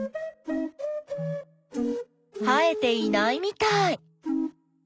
生えていないみたい。